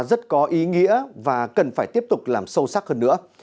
rất có ý nghĩa và cần phải tiếp tục làm sâu sắc hơn nữa